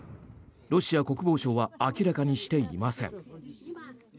ロシア国防省は明らかにしていません。